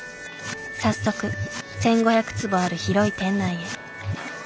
早速１，５００坪ある広い店内へ。